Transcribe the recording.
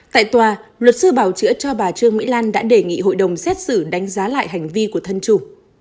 tại tòa luật sư bảo chữa cho bà trương mỹ lan đã đề nghị hội đồng xét xử đánh giá lại hành vi của thân chủ